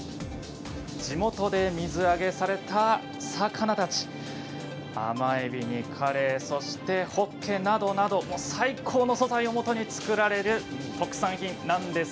地元で水揚げされた魚たち甘えびに、カレイそしてホッケなどなど最高の素材をもとに作られる特産品なんです。